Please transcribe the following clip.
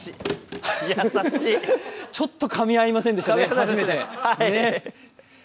ちょっとかみ合いませんでしたね。